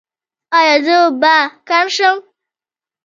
ایا زه به کڼ شم؟